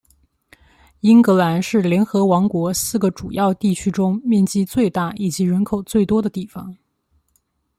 英格兰是联合王国四个主要地区中面积最大以及人口最多的地方。